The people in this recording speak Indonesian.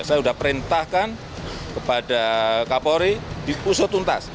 saya sudah perintahkan kepada kapolri diusut untas